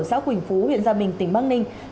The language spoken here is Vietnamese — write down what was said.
xã quỳnh phú huyện gia bình tỉnh bắc ninh